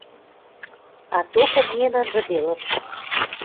А токы миэн анжыделыт.